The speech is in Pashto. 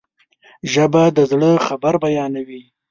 ژبه د زړه خبر بیانوي